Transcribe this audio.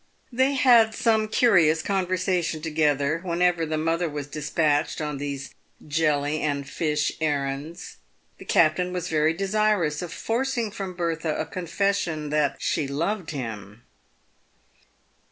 They had some curious conversation together, whenever the mother was despatched on these jelly and fish errands. The captain was very desirous of forcing from Bertha a confession that she loved him.